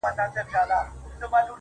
ډېر مې سوزولى اوس زما دَ سوزېدو دے وخت